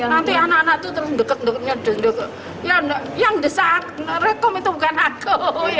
nanti anak anak tuh deket deketnya yang desak rekom itu bukan aku